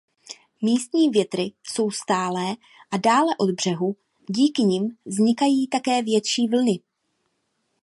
Místní větry jsou stálé a dále od břehu díky nim vznikají také větší vlny.